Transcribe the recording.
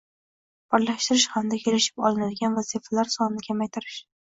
birlashtirish hamda kelishib olinadigan vazifalari sonini kamaytirish;